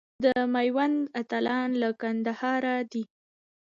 د میوند اتلان له کندهاره دي.